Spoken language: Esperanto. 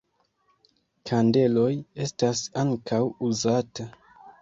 Kandeloj estas ankaŭ uzata.